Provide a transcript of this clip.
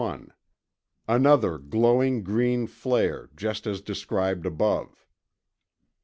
another glowing green flare just as described above.